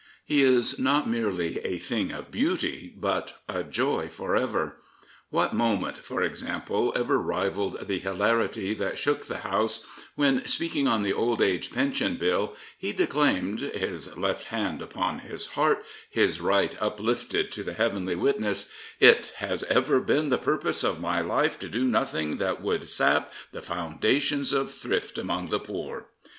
He is not merely " a thing of beauty," but " a joy for ever." What moment, for example, ever rivalled the hilarity that shook the House when, speaking on the Old Age Pensions Bill, he declaimed, his left hand upon his heart, his right uplifted to the heavenly witness: It has ever been *13 Prophets, Priests, and Kings the purpose of my life to do nothing that would sap the foundations of thrift among the poor''?